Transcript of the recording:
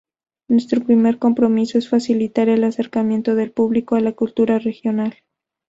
Nuestro primer compromiso es facilitar el acercamiento del público a la cultura regional.